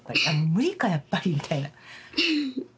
「無理かやっぱり」みたいな。